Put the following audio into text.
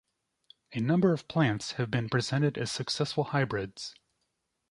A number of plants have been presented as successful hybrids.